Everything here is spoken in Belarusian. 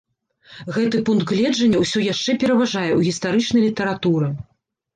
Гэты пункт гледжання ўсё яшчэ пераважае ў гістарычнай літаратуры.